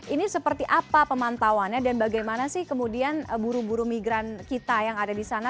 ini seperti apa pemantauannya dan bagaimana sih kemudian buru buru migran kita yang ada di sana